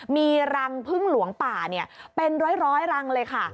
มีรังพึ่งหลวงป่าเป็นร้อยรังเลยค่ะ